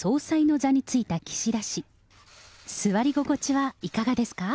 座り心地はいかがですか？